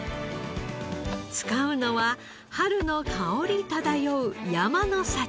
使うのは春の香り漂う山の幸。